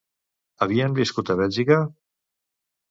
Havien viscut a Bèlgica?